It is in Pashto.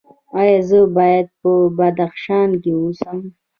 ایا زه باید په بدخشان کې اوسم؟